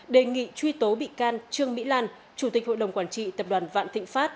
đề nghị truy tố bị can trương mỹ lan chủ tịch hội đồng quản trị tập đoàn vạn thịnh pháp